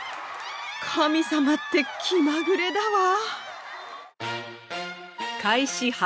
神様って気まぐれだわ。